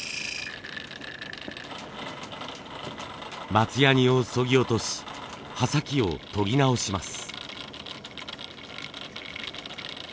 松ヤニをそぎ落とし刃先を研ぎ直します。